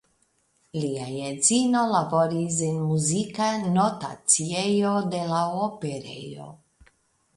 Lia edzino laboris en muzika notaciejo de la Operejo.